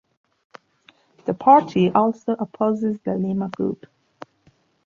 The party also opposes the Lima Group.